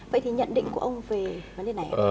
vậy thì nhận định của ông về vấn đề này